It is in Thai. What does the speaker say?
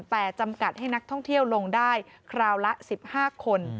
แต่จำกัดให้นักท่องเที่ยวลงได้คราวละ๑๕คน